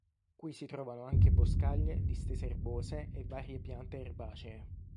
Qui si trovano anche boscaglie, distese erbose e varie piante erbacee.